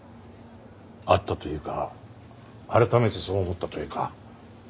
あったというか改めてそう思ったというか。